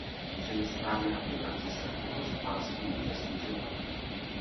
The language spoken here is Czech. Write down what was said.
Při nesprávné aplikaci se tuhost pásky může snižovat.